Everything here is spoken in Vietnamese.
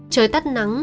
trời tắt nắng